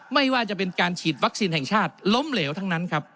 ไม่ว่าจะเป็นการฉีดวัคซีนแห่งชาติล้มเหลวทั้งนั้นครับ